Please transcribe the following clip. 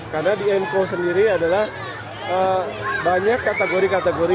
karena di emco sendiri adalah banyak kategori kategori